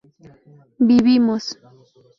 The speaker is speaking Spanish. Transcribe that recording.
vivimos